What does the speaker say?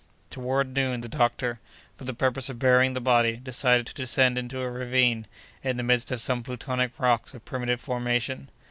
Toward noon, the doctor, for the purpose of burying the body, decided to descend into a ravine, in the midst of some plutonic rocks of primitive formation.